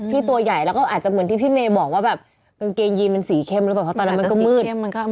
ตัวใหญ่แล้วก็อาจจะเหมือนที่พี่เมย์บอกว่าแบบกางเกงยีนมันสีเข้มหรือเปล่าเพราะตอนนั้นมันก็มืด